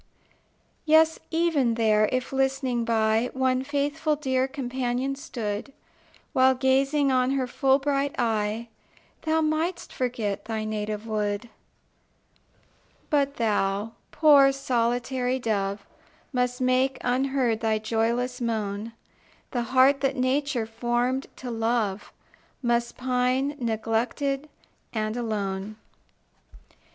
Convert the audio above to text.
Yes, even there, if, listening by, One faithful dear companion stood, While gazing on her full bright eye, Thou mightst forget thy native wood But thou, poor solitary dove, Must make, unheard, thy joyless moan; The heart that Nature formed to love Must pine, neglected, and alone.